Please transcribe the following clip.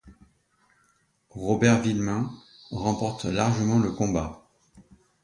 Robert Villemain remporte largement le combat.